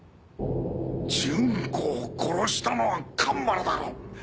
純子を殺したのは神原だろう！